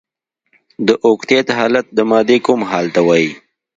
د اوکتیت حالت د مادې کوم حال ته وايي؟